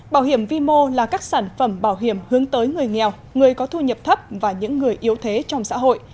bảo hiểm vi mô là các sản phẩm bảo hiểm hướng tới người nghèo người có thu nhập thấp và những người yếu thế trong xã hội